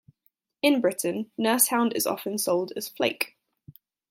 In Britain, nursehound is often sold as flake.